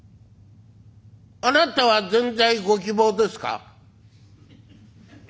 「あなたはぜんざいご希望ですか？」。